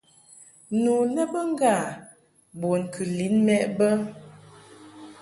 Nu lɛ bə ŋgâ bun kɨ lin mɛʼ bə.